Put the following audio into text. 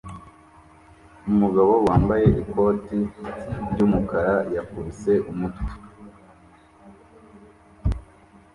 Umugabo wambaye ikoti ry'umukara yakubise umutwe